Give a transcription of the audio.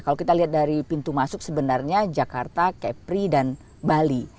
kalau kita lihat dari pintu masuk sebenarnya jakarta kepri dan bali